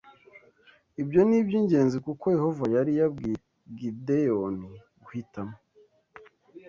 Ibyo ni iby’ingenzi kuko Yehova yari yabwiye Gideyoni guhitamo